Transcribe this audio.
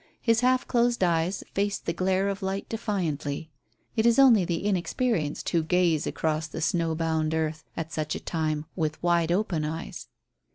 His half closed eyes faced the glare of light defiantly. It is only the inexperienced who gaze across the snow bound earth, at such a time, with wide open eyes.